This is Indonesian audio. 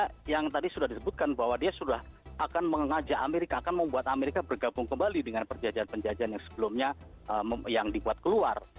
karena yang tadi sudah disebutkan bahwa dia sudah akan mengajak amerika akan membuat amerika bergabung kembali dengan perjanjian penjajahan yang sebelumnya yang dibuat keluar